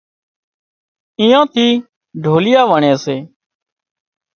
ايئان ٿِي ڍوليئا وڻي سي